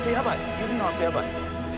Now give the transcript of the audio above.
指のあせやばい。